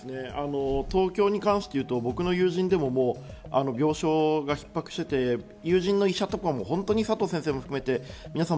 東京に関して言うと僕の友人でも病床が逼迫していて、友人の医者とかも本当に佐藤先生を含めて皆さん